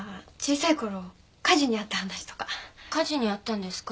火事にあったんですか？